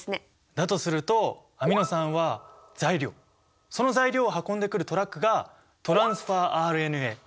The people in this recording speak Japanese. だとするとアミノ酸は材料その材料を運んでくるトラックがトランスファーＲＮＡ！